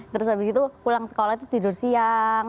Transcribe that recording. terus habis itu pulang sekolah itu tidur siang